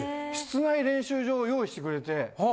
室内練習場を用意してくれて。